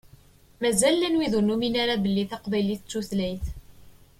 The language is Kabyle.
Mazal llan wid ur numin ara belli taqbaylit d tutlayt.